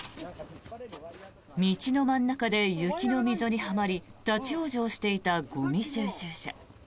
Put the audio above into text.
道の真ん中で雪の溝にはまり立ち往生していたゴミ収集車。